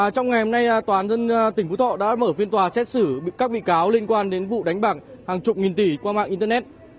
trong ngày hôm nay tòa án dân tỉnh phú thọ đã mở phiên tòa xét xử các bị cáo liên quan đến vụ đánh bạc hàng chục nghìn tỷ qua mạng internet